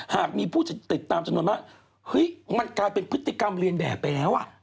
หากมีผู้ติดตามจำนวนมากเฮ้ยมันกลายเป็นพฤติกรรมเรียนแบบไปแล้วอ่ะ